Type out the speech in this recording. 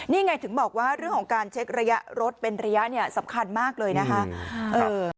นี่ไงถึงบอกว่าเรื่องของการเช็กระยะรถเป็นระยะเนี่ยสำคัญมากเลยนะคะ